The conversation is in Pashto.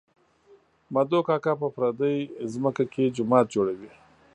مدو کاکو په پردۍ ځمکه کې جومات جوړوي